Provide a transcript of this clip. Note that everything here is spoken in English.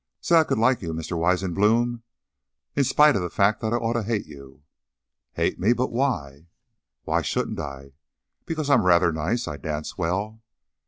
"Say! I could like you, Mr. Wisenblum, in spite of the fact that I ought to hate you." "Hate me? But why?" "Why shouldn't I?" "Because I'm rather nice; I dance well."